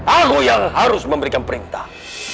allah yang harus memberikan perintah